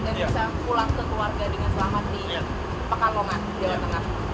dan bisa pulang ke keluarga dengan selamat di pekanlonga jalan tengah